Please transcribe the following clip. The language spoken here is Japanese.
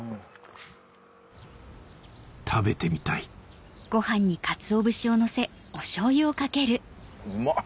食べてみたいうま！